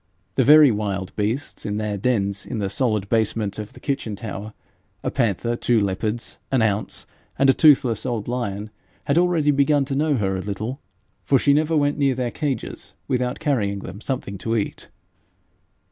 The very wild beasts in their dens in the solid basement of the kitchen tower a panther, two leopards, an ounce, and a toothless old lion had already begun to know her a little, for she never went near their cages without carrying them something to eat.